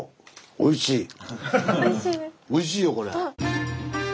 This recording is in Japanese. おいしいよこれ。